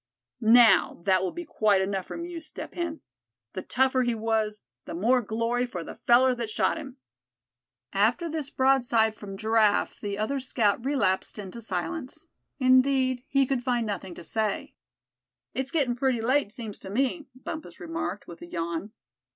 Now, that will be quite enough from you, Step Hen. The tougher he was, the more glory for the feller that shot him." After this broadside from Giraffe the other scout relapsed into silence; indeed, he could find nothing to say. "It's gettin' pretty late, seems to me," Bumpus remarked, with a yawn.